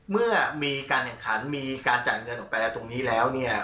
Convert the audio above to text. เมื่อมีการแข่งขันมีการจ่ายเงินออกไปแล้วตรงนี้แล้วเนี่ย